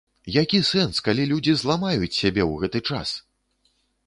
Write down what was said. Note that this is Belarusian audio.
Які сэнс, калі людзі зламаюць сябе ў гэты час?!